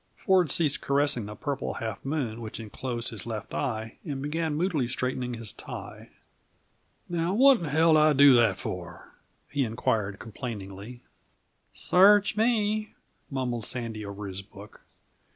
Ford ceased caressing the purple half moon which inclosed his left eye and began moodily straightening his tie. "Now what'n hell did I do that for?" he inquired complainingly. "Search me," mumbled Sandy over his book.